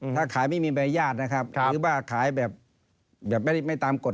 ถ้าขายไม่มีใบรญญาติหรือว่าขายไม่ตามกฏ